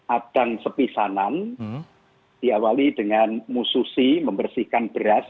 adang sepisanan diawali dengan mususi membersihkan beras